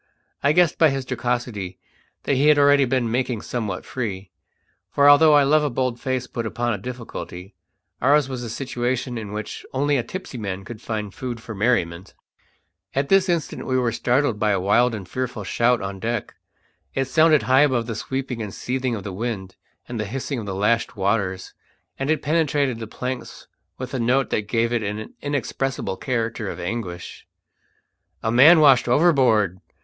I guessed by his jocosity that he had already been making somewhat free; for although I love a bold face put upon a difficulty, ours was a situation in which only a tipsy man could find food for merriment. At this instant we were startled by a wild and fearful shout on deck. It sounded high above the sweeping and seething of the wind and the hissing of the lashed waters, and it penetrated the planks with a note that gave it an inexpressible character of anguish. "A man washed overboard!"